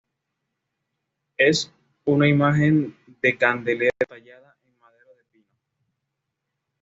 Es una imagen de candelero tallada en madera de pino.